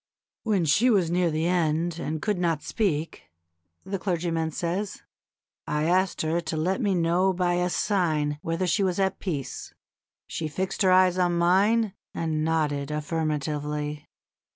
"When she was near the end, and could not speak," the clergyman says, "I asked her to let me know by a sign whether she was at peace. She fixed her eyes on mine and nodded affirmatively.